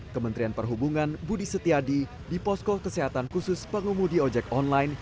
kementerian perhubungan budi setiadi di posko kesehatan khusus pengemudi ojek online